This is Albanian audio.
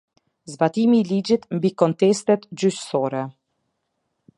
Zbatimi i Ligjit mbi Kontestet Gjyqësore.